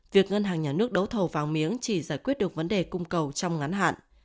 việc ngân hàng nhà nước đấu thầu vàng miếng chỉ giải quyết được vấn đề cung cầu trong ngắn hạn